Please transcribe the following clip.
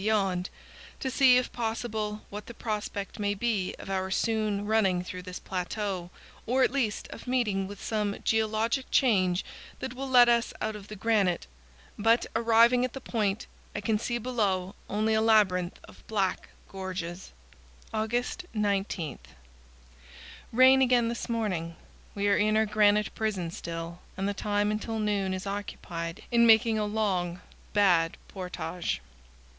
beyond, to see if possible what the prospect may be of our soon running through this plateau, or at least of meeting with some geologic change that will let us out of the granite; but, arriving at the point, I can see below only a labyrinth of black gorges. August 19. Rain again this morning. We are in our granite prison still, and the time until noon is occupied in making a long; bad portage.